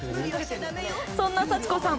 そんな幸子さん